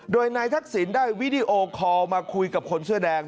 โดยนายทักษิณได้วิดีโอคอลมาคุยกับคนเสื้อแดง